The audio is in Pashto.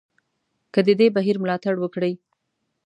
که د دې بهیر ملاتړ وکړي.